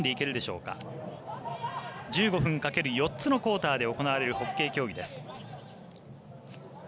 １５分かける４つのクオーターで行われるホッケー競技です。